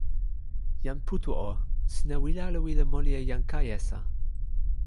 jan Putu o, sina wile ala wile moli e jan Kajesa?